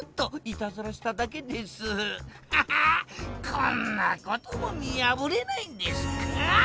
こんなことも見やぶれないんですか